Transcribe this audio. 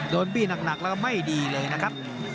บี้หนักแล้วก็ไม่ดีเลยนะครับ